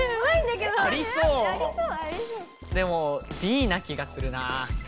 でもＤな気がするなあ。